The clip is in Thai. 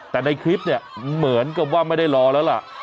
แต่ในคลิปเนี่ยเหมือนกับว่าไม่ได้รอแล้วล่ะ